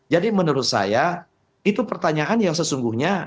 jadi menurut saya itu pertanyaan yang sesungguhnya